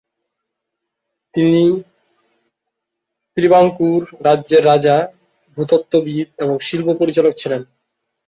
তিনি ত্রিবাঙ্কুর রাজ্যের রাজ্য ভূতত্ত্ববিদ এবং শিল্প পরিচালক ছিলেন।